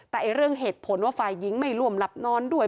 แต่เรื่องเหตุผลว่าฝ่ายหญิงไม่ร่วมหลับนอนด้วย